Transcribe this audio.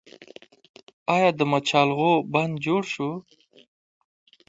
آیا د مچالغو بند جوړ شو؟